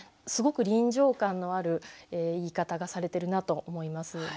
すごく臨場感のある言い方がされてるなと思います。